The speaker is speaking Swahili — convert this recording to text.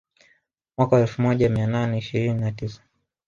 Mwaka wa elfu moja mia nane ishirini na tisa